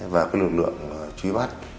và cái lực lượng truy bắt